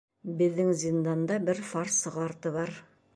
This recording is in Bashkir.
— Беҙҙең зинданда бер фарсы ҡарты бар.